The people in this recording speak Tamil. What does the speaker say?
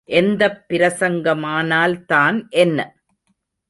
எந்தப் பிரசங்கமானால் தான் என்ன?